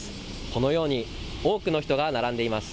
このように、多くの人が並んでいます。